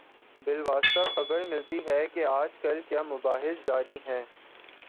بالواسطہ خبر ملتی ہے کہ آج کل کیا مباحث جاری ہیں۔